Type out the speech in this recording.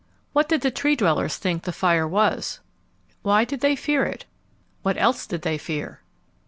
What did the Tree dwellers think the fire was? Why did they fear it? What else did they fear?